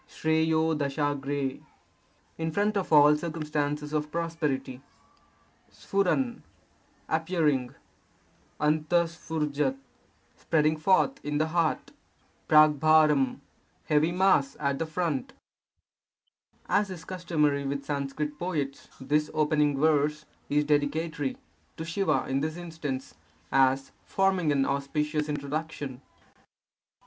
sN^TTO — in front of all circumstances of prosperity. Pf^ — appearing. 3T^T:'FJ3k^ — spreading forth in the heart. WWi — heavy mass at the front. As is customary with Sanskrit poets, this opening verse is dedicatory (to Siva in this instance), as forming an auspicious introduction.